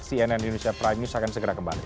cnn indonesia prime news akan segera kembali